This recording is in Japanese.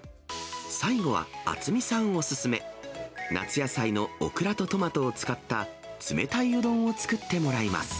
最後は、渥美さんお勧め、夏野菜のオクラとトマトを使った冷たいうどんを作ってもらいます。